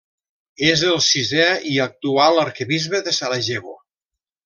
És el sisè i actual arquebisbe de Sarajevo.